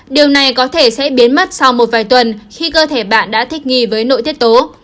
điều này có thể sẽ biến mất sau một vài tuần khi cơ thể bạn đã thích nghi với nội tiết tố